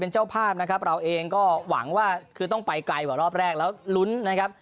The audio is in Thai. เจ้าภาพนะครับเราเองก็หวังว่าคือต้องไปไกลกว่ารอบแรกแล้วลุ้นนะครับ